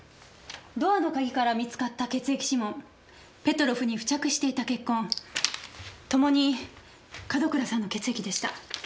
ドアの鍵から見つかった血液指紋ペトロフに付着していた血痕ともに門倉さんの血液でした。